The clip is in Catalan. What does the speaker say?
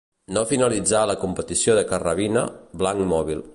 No finalitzà la competició de carrabina, blanc mòbil.